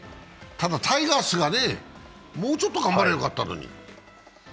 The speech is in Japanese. タイガースがもうちょっと頑張ればよかったのに。